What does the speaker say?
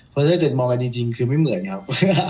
คนซาโดยดูมองกันดีจริงคือไม่เหมือนครับ